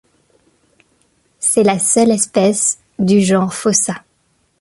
C'est la seule espèce du genre Fossa.